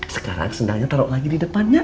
sekarang sedangnya taruh lagi di depannya